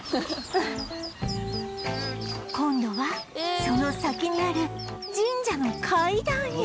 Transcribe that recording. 今度はその先にある神社の階段へ